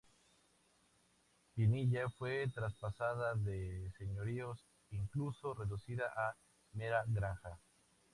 Pinilla fue traspasada de señoríos, incluso reducida a mera granja.